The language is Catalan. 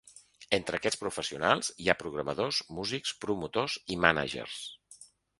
Entre aquests professionals, hi ha programadors, músics, promotors i mànagers.